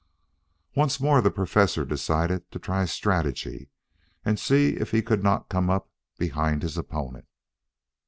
Once more the Professor decided to try strategy and see if he could not come up behind his opponent.